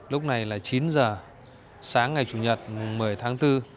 lúc này là chín giờ sáng ngày chủ nhật một mươi tháng bốn